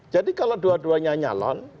jadi kalau dua duanya nyalon